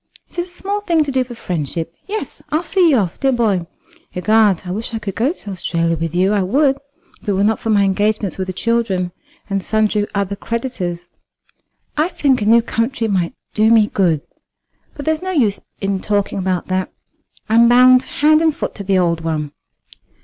"It is a small thing to do for friendship. Yes, I'll see you off, dear boy. Egad, I wish I could go to Australia with you. I would, if it were not for my engagements with the children and sundry other creditors. I think a new country might do me good. But there's no use in talking about that. I'm bound hand and foot to the old one."